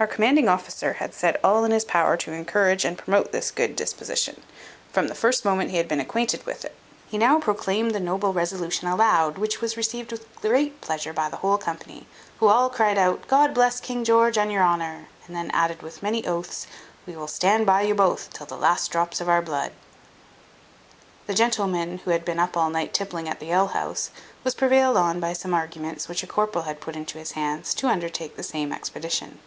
Our commanding officer had said all in his power to encourage and promote this good disposition, from the first moment he had been acquainted with it. He now proclaimed the noble resolution aloud, which was received with great pleasure by the whole company, who all cried out, "God bless King George and your honour;" and then added, with many oaths, "We will stand by you both to the last drops of our blood." The gentleman who had been all night tippling at the alehouse, was prevailed on by some arguments which a corporal had put into his hands, to undertake the same expedition.